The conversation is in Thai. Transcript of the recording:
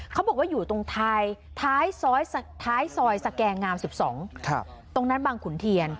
เขาบอกว่าอยู่ตรงท้ายท้ายซอยท้ายซอยสแกงงามสิบสองค่ะตรงนั้นบังขุนเทียน